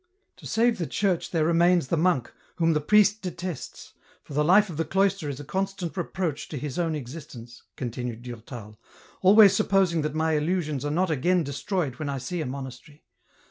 " To save the Church there remains the monk, whom the priest detests, for the life of the cloister is a constant reproach to his own existence," continued Durtal ;" always supposing that my illusions are not again destroyed when I see a monastery